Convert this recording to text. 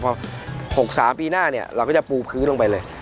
พอ๖๓ปีหน้าเนี่ยเราก็จะปูพื้นลงไปเลย